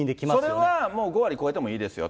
それは５割超えてもいいですよと。